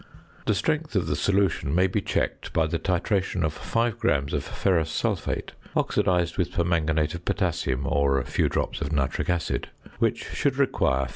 The strength of the solution may be checked by the titration of 5 grams of ferrous sulphate (oxidized with permanganate of potassium or a few drops of nitric acid), which should require 57.